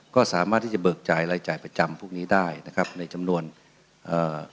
ก็สามารถที่จะเบิกจ่ายรายจ่ายประจำพวกนี้ได้นะครับในจำนวนเอ่อ